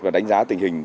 và đánh giá tình hình